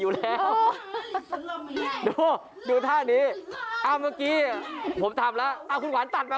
อยู่แล้วดูดูท่านี้อ้าวเมื่อกี้ผมทำแล้วเอาคุณขวัญตัดมา